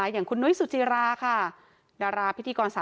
วัคซีนโควิดเนี่ยเป็นวัคซีนที่เรามีการฉีดพร้อมกับประเทศเรา